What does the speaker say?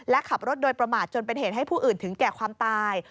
และขับรถโดยประมาทจนเป็นเหตุให้ผู้อื่นถึงแก่ความตาย